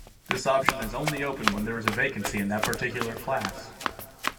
This option is only open when there is a vacancy in that particular class.